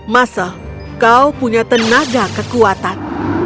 muscle kau punya tenaga kekuatan